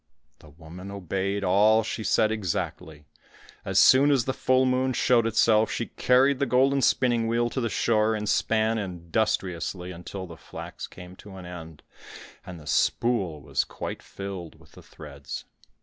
The woman obeyed all she said exactly; as soon as the full moon showed itself, she carried the golden spinning wheel to the shore, and span industriously until the flax came to an end, and the spool was quite filled with the threads.